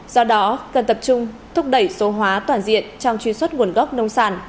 do đó cần tập trung thúc đẩy số hóa toàn diện trong truy xuất nguồn gốc nông sản